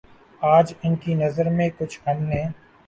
آج ان کی نظر میں کچھ ہم نے